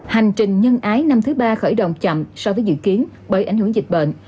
hành trình nhân ái năm thứ ba khởi động chậm so với dự kiến bởi ảnh hưởng dịch bệnh